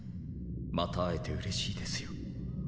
また会えてうれしいですよ。